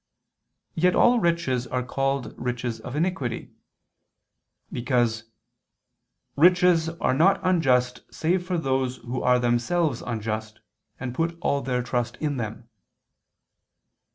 Yet all riches are called riches of iniquity, as stated in De Quaest. Ev. ii, 34, because "riches are not unjust save for those who are themselves unjust, and put all their trust in them.